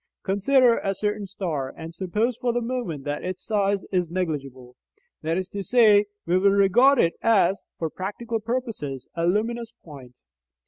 Consider a certain star, and suppose for the moment that its size is negligible. That is to say, we will regard it as, for practical purposes, a luminous point.